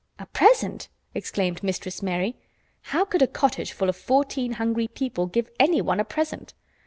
"A present!" exclaimed Mistress Mary. How could a cottage full of fourteen hungry people give anyone a present!